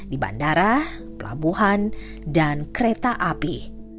di bandara pelabuhan dan kereta api